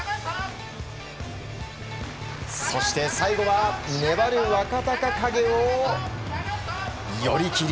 そして、最後は粘る若隆景を寄り切り。